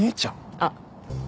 あっ。